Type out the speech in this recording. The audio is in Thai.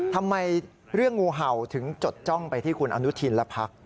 ทำไมเรื่องงูเห่าถึงจดจ้องไปที่คุณอนุทินและพัก